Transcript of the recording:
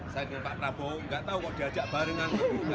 saya denger pak prabowo gak tau kok diajak barengan